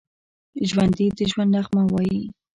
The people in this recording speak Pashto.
ژوندي د ژوند نغمه وايي